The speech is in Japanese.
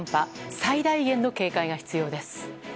最大限の警戒が必要です。